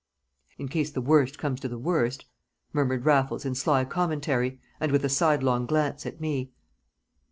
"In case the worst comes to the worst," murmured Raffles in sly commentary, and with a sidelong glance at me.